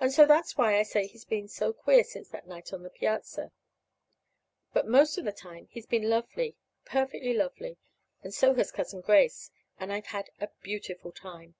And so that's why I say he's been so queer since that night on the piazza. But most of the time he's been lovely, perfectly lovely. And so has Cousin Grace, And I've had a beautiful time.